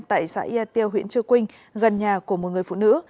tại xã yateo huyện chưa quynh gần nhà của một người phụ nữ